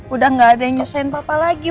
udah gaada yang nyusahin papa lagi